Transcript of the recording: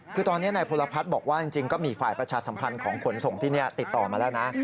คือตอนนี้นายพลพัฒน์บอกว่าจริงก็มีฝ่ายประชาสัมพันธ์ของขนส่งที่นี่ติดต่อมาแล้วนะ